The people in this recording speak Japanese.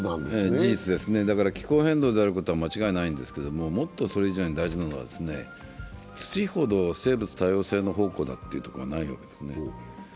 事実です、気候変動であることは間違いないんですがもっとそれ以上に大事なのは、土ほど生物多様性の宝庫だというところはないわけです。